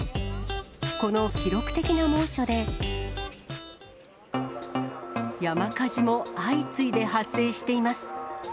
この記録的な猛暑で、山火事も相次いで発生しています。